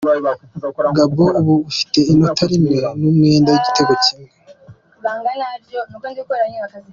Gabon ubu ifite inota rimwe n’umwenda w’igitego kimwe.